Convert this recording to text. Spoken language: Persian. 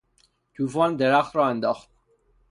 توفان درخت را انداخت.